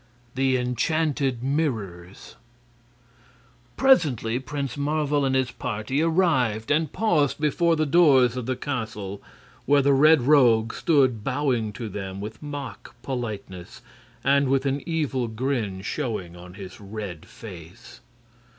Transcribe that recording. The Enchanted Mirrors Presently Prince Marvel and his party arrived and paused before the doors of the castle, where the Red Rogue stood bowing to them with mock politeness and with an evil grin showing on his red face.